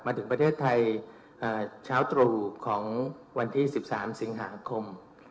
ถึงประเทศไทยเช้าตรู่ของวันที่๑๓สิงหาคม